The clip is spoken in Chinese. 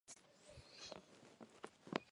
当然也没有用财务杠杆来提升收益率。